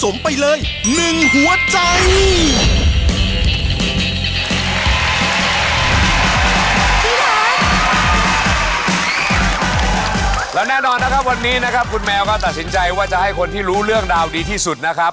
เราตัดสินใจว่าจะให้คนที่รู้เรื่องราวดีที่สุดนะครับ